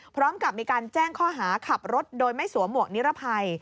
พร้อมกับมีการแจ้งข้อหาขับรถโดยไม่สวมหวกนิรภัย